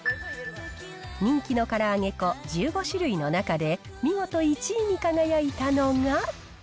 人気のから揚げ粉１５種類の中で、見事１位に輝いたのが。